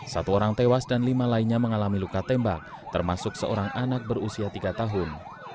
satu orang tewas dan lima lainnya mengalami luka tembak termasuk seorang anak berusia tiga tahun